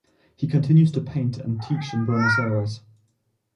He continues to paint and teach in Buenos Aires.